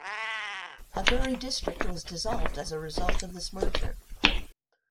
Haguri District was dissolved as a result of this merger.